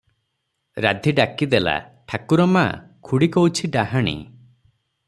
ରାଧୀ ଡାକି ଦେଲା "ଠାକୁର ମା, ଖୁଡି କହୁଛି ଡାହାଣୀ ।"